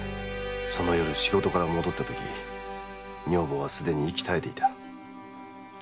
その夜仕事から戻ったとき女房はすでに息絶えていた。